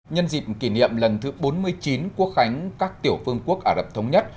nhân dịp kỷ niệm lần thứ bốn mươi chín quốc khánh các tiểu phương quốc ả rập thống nhất